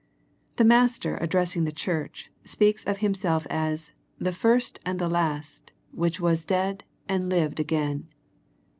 The Master addressing the church, speaks of Himself as " The first and the last, which was dead, and lived again.